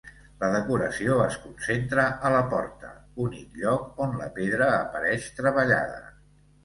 La decoració es concentra a la porta, únic lloc on la pedra apareix treballada.